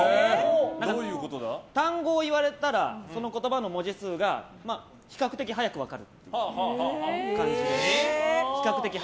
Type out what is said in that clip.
単語を言われたらその言葉の文字数が比較的早く分かる感じです。